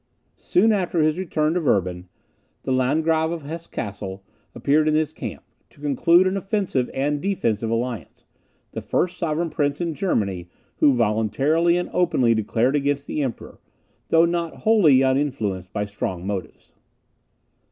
Soon after his return to Werben, the Landgrave of Hesse Cassel appeared in his camp, to conclude an offensive and defensive alliance; the first sovereign prince in Germany, who voluntarily and openly declared against the Emperor, though not wholly uninfluenced by strong motives.